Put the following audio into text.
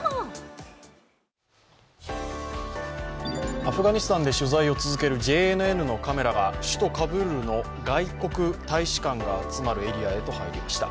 アフガニスタンで取材を続けるＪＮＮのカメラが首都カブールの外国大使館が集まるエリアへと入りました。